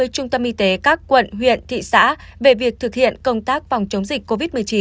trung tâm y tế các quận huyện thị xã về việc thực hiện công tác phòng chống dịch covid một mươi chín